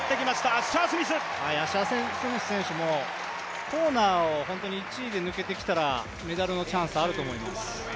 アッシャー・スミス選手もコーナーを１位で抜けてきたらメダルのチャンスあると思います。